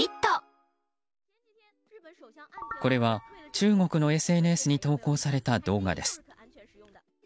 これは中国のＳＮＳに投稿された動画です。